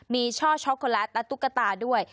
มีช่อช็อกโกแลตและตุ๊กตาด้วย